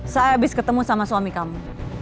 saya habis ketemu sama suami kamu